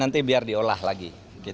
nanti biar diolah lagi